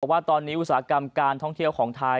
แต่ว่าตอนนี้อุตสาหกรรมการท่องเที่ยวของไทย